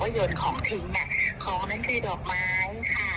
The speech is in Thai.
เขาเดินแล้วมันไม่สะดวกแต่ถามว่าลงไปไหม